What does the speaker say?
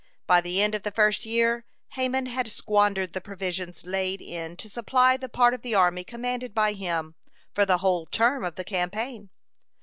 By the end of the first year Haman had squandered the provisions laid in to supply the part of the army commanded by him, for the whole term of the campaign.